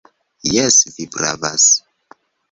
Jes, vi pravas.